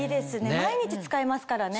毎日使いますからね。